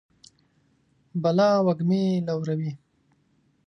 بلا وږمې لوروي